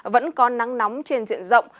vẫn có nắng nóng trên diện rộng